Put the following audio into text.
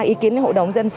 và ý kiến của hội đồng dân xã